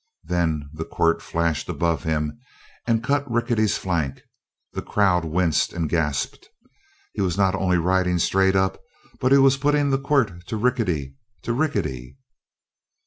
Then the quirt flashed above him and cut Rickety's flank; the crowd winced and gasped. He was not only riding straight up but he was putting the quirt to Rickety to Rickety!